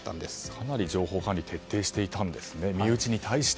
かなり情報管理、徹底していたんですね